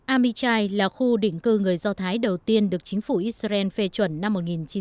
amichai là khu định cư người do thái đầu tiên được chính phủ israel phê chuẩn năm một nghìn chín trăm bảy mươi